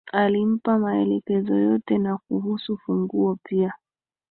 Alimpa maelekezo yote na kuhusu funguo pia